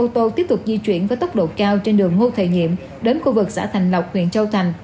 tốc độ cao trên đường ngô thời nhiệm đến khu vực xã thành lộc huyện châu thành